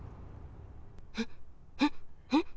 えっ？えっ？えっ？